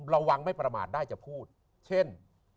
ระวังไม่ประมาทได้จะพูดเช่น